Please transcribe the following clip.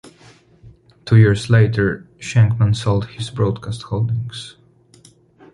Two years later, Shenkman sold his broadcast holdings.